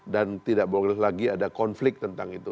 dan tidak boleh lagi ada konflik tentang itu